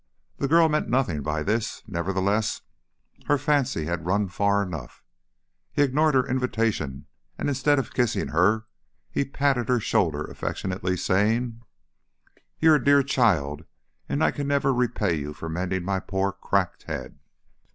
The girl meant nothing by this; nevertheless, her fancy had run far enough. He ignored her invitation, and instead of kissing her he patted her shoulder affectionately, saying: "You're a dear child, and I can never repay you for mending my poor cracked head."